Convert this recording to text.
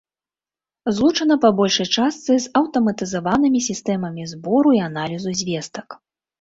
Злучана па большай частцы з аўтаматызаванымі сістэмамі збору і аналізу звестак.